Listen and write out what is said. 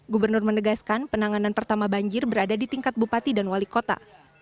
gubernur menegaskan penanganan pertama banjir berada di tingkat bupati dan wali kota